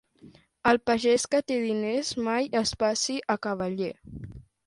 El pagès que té diners mai es passi a cavaller.